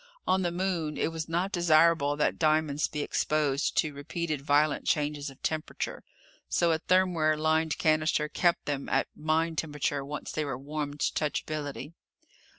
On the Moon, it was not desirable that diamonds be exposed to repeated violent changes of temperature. So a thermware lined cannister kept them at mine temperature once they were warmed to touchability.